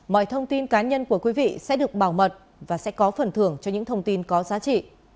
mọi thông tin cá nhân của quý vị sẽ được bảo mật và sẽ có phần thưởng cho những thông tin có giá trị